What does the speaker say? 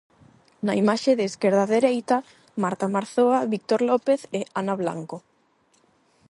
Na imaxe, de esquerda a dereita, Marta Marzoa, Víctor López e Ana Blanco.